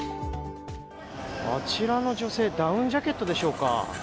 あちらの女性、ダウンジャケットでしょうか。